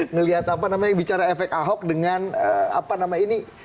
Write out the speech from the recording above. ngelihat apa namanya bicara efek ahok dengan apa nama ini